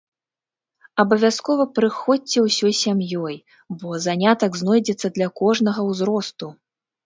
Абавязкова прыходзьце ўсёй сям'ёй, бо занятак знойдзецца для кожнага ўзросту.